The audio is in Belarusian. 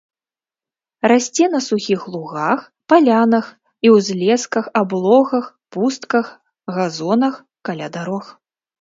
Расце на сухіх лугах, палянах і ўзлесках, аблогах, пустках, газонах, каля дарог.